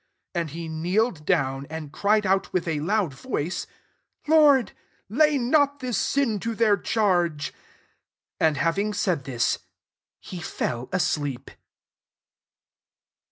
"* 60 And he kneeled down, and cried out with a loud voice, " Lord, lay not this sin to their charge." And, having said this, he fell asleep.